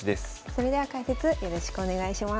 それでは解説よろしくお願いします。